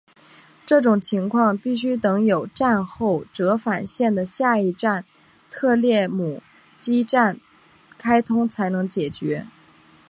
这种情况必须等有站后折返线的下一站特列姆基站开通才能解决。